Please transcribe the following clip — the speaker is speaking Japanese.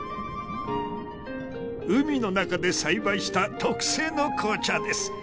海の中で栽培した特製の紅茶です。